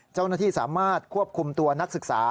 เจ้าหน้าที่สามารถควบคุมตัวนักศึกษา